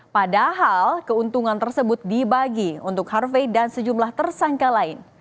padahal keuntungan tersebut dibagi untuk harvey dan sejumlah tersangka lain